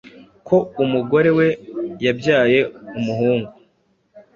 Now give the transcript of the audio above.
ko umugore we yabyaye umuhungu